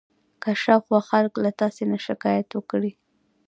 که شاوخوا خلک له تاسې نه شکایت وکړي.